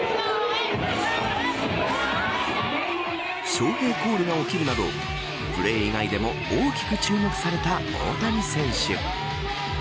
ショウヘイコールが起きるなどプレー以外でも大きく注目された大谷選手。